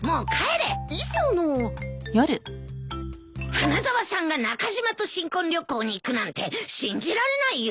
花沢さんが中島と新婚旅行に行くなんて信じられないよ。